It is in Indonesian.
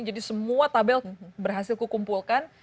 semua tabel berhasil kukumpulkan